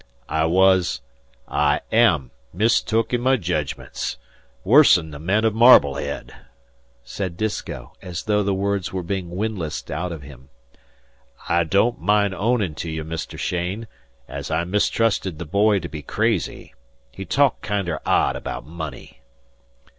"I wuz I am mistook in my jedgments worse'n the men o' Marblehead," said Disko, as though the words were being windlassed out of him. "I don't mind ownin' to you, Mr. Cheyne, as I mistrusted the boy to be crazy. He talked kinder odd about money."